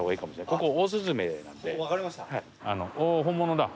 おお、本物だ。